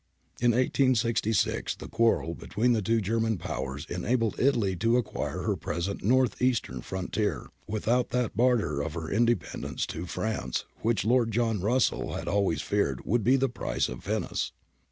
'^ In 1866 the quarrel of the two German powers en abled Italy to acquire her present North Eastern frontier without that barter of her independence to France which Lord John Russell had always feared would be the price of Venice.